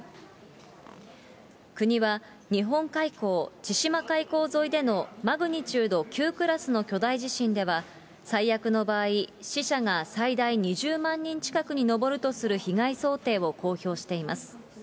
国は、日本海溝、千島海溝沿いでのマグニチュード９クラスの巨大地震では、最悪の場合、死者が最大２０万人近くに上るとする被害想定を公表しています。